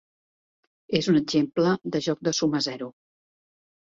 És un exemple de joc de suma zero.